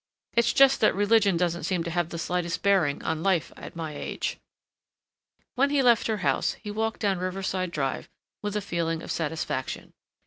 It's just that religion doesn't seem to have the slightest bearing on life at my age." When he left her house he walked down Riverside Drive with a feeling of satisfaction.